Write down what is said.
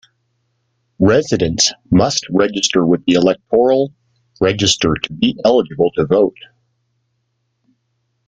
Residents must register with the electoral register to be eligible to vote.